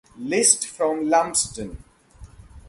List from Lumsden.